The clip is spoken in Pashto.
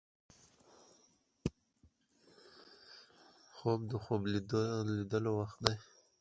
خوب د خوب لیدلو وخت دی